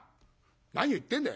「何言ってんだよ。